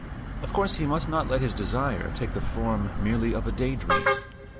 Of course he must not let his desire take the form merely of a day dream.